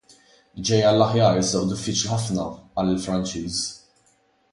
" Ġej għall-aħjar iżda hu diffiċli ħafna " qal il-Franċiż."